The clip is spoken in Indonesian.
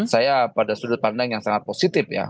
saya pada sudut pandang yang sangat positif ya